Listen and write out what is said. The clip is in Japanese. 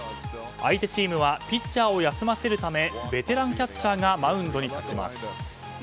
相手チームはピッチャーを休ませるためベテランキャッチャーがマウンドに立ちます。